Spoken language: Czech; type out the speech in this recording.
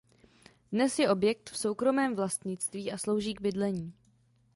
Dnes je objekt v soukromém vlastnictví a slouží k bydlení.